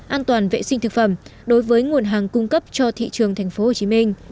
an toàn vệ sinh thực phẩm đối với nguồn hàng cung cấp cho thị trường tp hcm